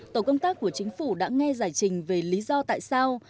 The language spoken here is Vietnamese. tổ công tác của chính phủ đã nghe giải trình về lý do tại sao